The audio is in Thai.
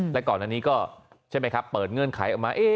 และก่อนอันนี้ก็ใช่ไหมครับเปิดเงื่อนไขออกมา